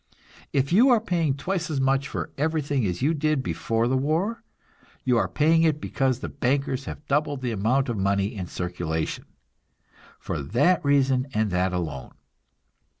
If you are paying twice as much for everything as you did before the war, you are paying it because the bankers have doubled the amount of money in circulation for that reason and that alone.